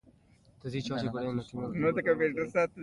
لوړ خیالونه ولري لاره هواره کړي.